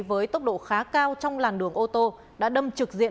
với tốc độ khá cao trong làn đường ô tô đã đâm trực diện